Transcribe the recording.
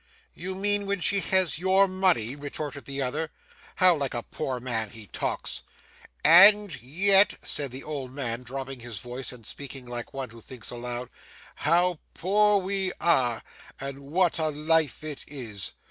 'You mean when she has your money?' retorted the other. 'How like a poor man he talks!' 'And yet,' said the old man dropping his voice and speaking like one who thinks aloud, 'how poor we are, and what a life it is!